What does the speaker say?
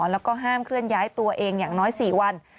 แล้วก็ห้ามเคลื่อนย้ายตัวเองอย่างน้อย๔วัน